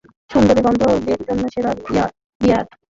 সুন্দরী বান্ধবীর জন্য সেরা বিয়ার।